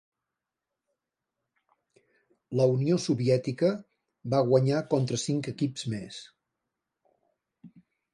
La Unió Soviètica va guanyar contra cinc equips més.